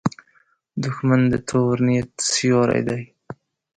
دښمن د تور نیت سیوری دی